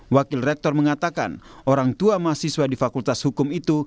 wakil rektor mengatakan orang tua mahasiswa di fakultas hukum itu